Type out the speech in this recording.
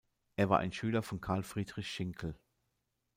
Er war ein Schüler von Karl Friedrich Schinkel.